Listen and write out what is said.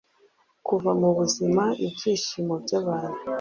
kuva mubuzima ibyishimo byabantu